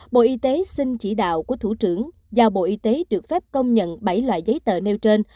bộ y tế xin chỉ đạo của thủ trưởng giao bộ y tế được phép công nhận bảy loại giấy tờ nêu trên